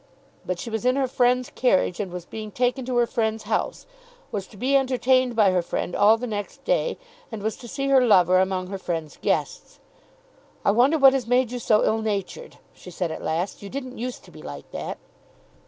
But she was in her friend's carriage, and was being taken to her friend's house, was to be entertained by her friend all the next day, and was to see her lover among her friend's guests. "I wonder what has made you so ill natured," she said at last. "You didn't use to be like that."